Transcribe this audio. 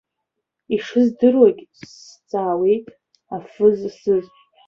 Ишыздыруагь сҵаауеит аф зысыз.